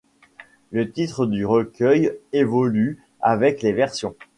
Le titre du recueil évolue avec les versions.